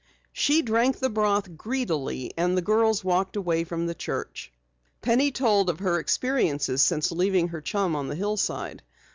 She drank the broth greedily and the girls walked away from the church. Penny then told of her experiences since leaving her chum on the hillside.